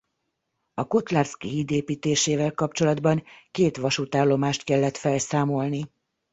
A Kotlarski-híd építésével kapcsolatban két vasútállomást kellett felszámolni.